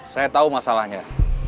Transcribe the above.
saya tahu masalahnya